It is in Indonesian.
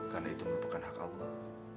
karena itu merupakan hak allah